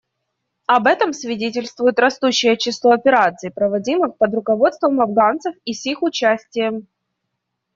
Об этом свидетельствует растущее число операций, проводимых под руководством афганцев и с их участием.